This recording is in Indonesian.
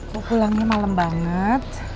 kok pulangnya malem banget